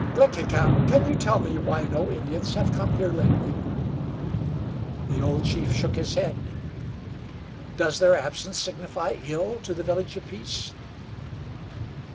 "Glickhican, can you tell me why no Indians have come here lately?" The old chief shook his head. "Does their absence signify ill to the Village of Peace?"